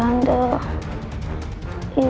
bikin dia tidur